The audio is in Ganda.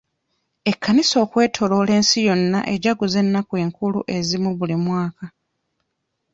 Ekkanisa okwetooloola ensi yonna ejaguza ennaku enkulu ezimu buli mwaka.